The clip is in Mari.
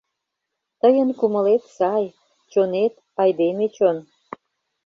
— Тыйын кумылет сай., чонет — айдеме чон...